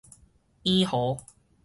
穎豪